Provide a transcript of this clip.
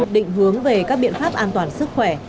định hướng về các biện pháp an toàn sức khỏe